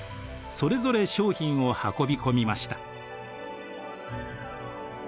それぞれ商品を運び込みました。